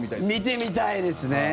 見てみたいですね。